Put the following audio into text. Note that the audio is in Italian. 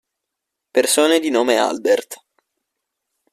Persone di nome Albert